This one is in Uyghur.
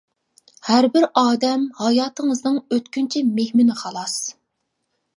ھەربىر ئادەم ھاياتىڭىزنىڭ ئۆتكۈنچى مېھمىنى خالاس.